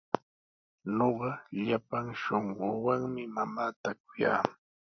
Ñuqa llapan shunquuwanmi mamaata kuyaa.